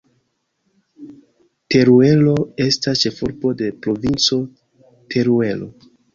Teruelo estas ĉefurbo de Provinco Teruelo.